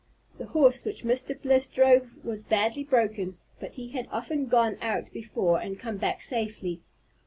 The horse which Mr. Bliss drove was badly broken, but he had often gone out before and come back safely.